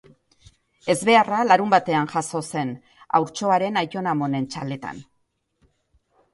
Ezbeharra larunbatean jazo zen, haurtxoaren aitona-amonen txaletan.